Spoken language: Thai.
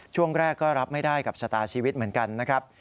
ช่วงแรกก็รับไม่ได้กับชะตาชีวิตเหมือนกันนะครับ